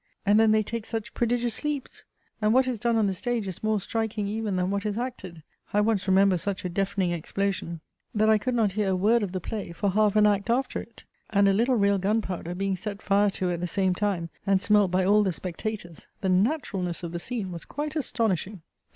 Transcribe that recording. And then they take such prodigious leaps!! And what is done on the stage is more striking even than what is acted. I once remember such a deafening explosion, that I could not hear a word of the play for half an act after it: and a little real gunpowder being set fire to at the same time, and smelt by all the spectators, the naturalness of the scene was quite astonishing!